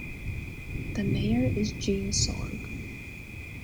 The mayor is Jeanne Sorg.